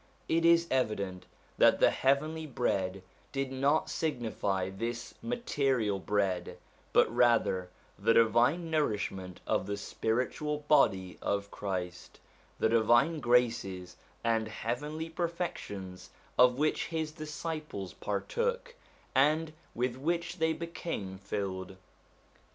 It is evident that the heavenly bread did not signify this material bread, but rather the divine nourishment of the spiritual body of Christ, the divine graces and heavenly perfections of which his disciples partook, and with which they became filled.